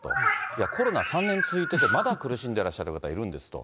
いや、コロナ３年続いててまだ苦しんでらっしゃる方いるんですと。